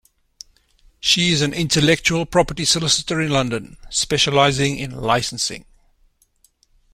She is an intellectual property solicitor in London, specialising in licensing.